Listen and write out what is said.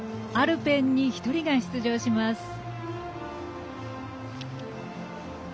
アルペンに１人が出場します。